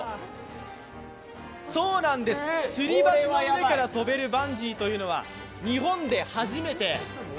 つり橋の上から飛べるバンジーというのは日本で初めて。